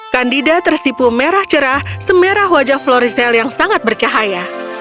kandida tersipu merah cerah semerah wajah florizal yang sangat bercahaya